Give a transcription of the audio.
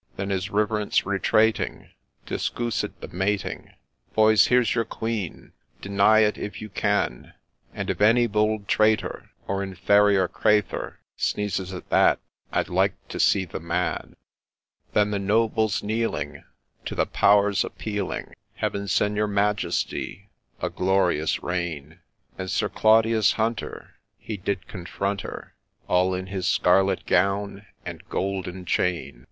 Then his Riverence, retrating, discoo sed the mating ;' Boys ! Here 's your Queen ! deny it if you can 1 And if any bould traitour, or infarior craythur, Sneezes at that, I'd like to see the man I ' 178 BARNEY MAG DIKE'S ACCOUNT OF THE CORONATION Then the Nobles kneeling to the Pow'rs appealing, ' Heaven send your Majesty a glorious reign I ' And Sir Claudius Hunter he did confront her, All in his scarlet gown and goulden chain.